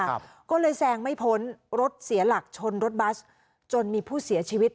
ครับก็เลยแซงไม่พ้นรถเสียหลักชนรถบัสจนมีผู้เสียชีวิต